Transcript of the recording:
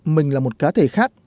mình là một cá thể khác